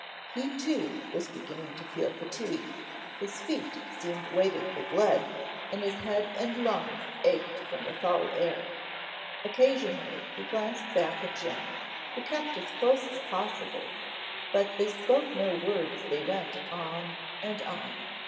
He, too, was beginning to feel fatigue, his feet seemed weighted with lead, and his head and lungs ached from the foul air. Occasionally he glanced back at Jim, who kept as close as possible, but they spoke no word as they went on and on.